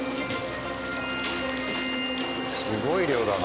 すごい量だな。